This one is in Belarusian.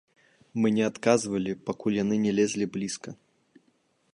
Мы не адказвалі, пакуль яны не лезлі блізка.